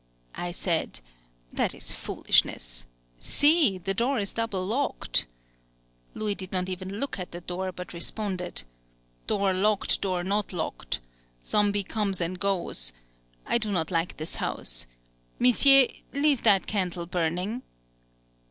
_" I said, "That is foolishness! See! the door is double locked." Louis did not even look at the door, but responded: "Door locked, door not locked, Zombi comes and goes.... I do not like this house.... Missié, leave that candle burning!"